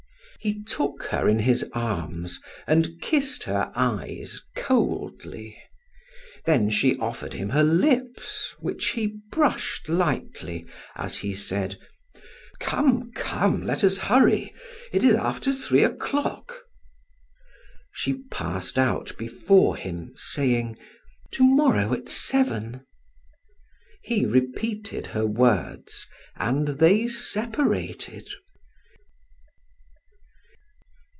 He took her in his arms and kissed her eyes coldly; then she offered him her lips which he brushed lightly as he said: "Come, come, let us hurry; it is after three o'clock." She passed out before him saying: "To morrow at seven"; he repeated her words and they separated.